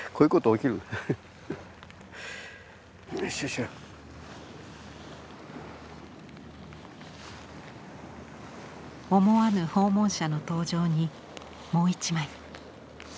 思わぬ訪問者の登場にもう一枚。